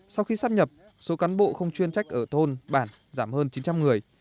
sau khi sắp nhập số cán bộ không chuyên trách ở thôn bản giảm hơn chín trăm linh người